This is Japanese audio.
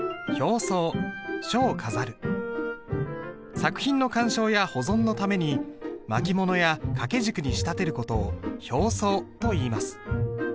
作品の鑑賞や保存のために巻物や掛軸に仕立てる事を表装といいます。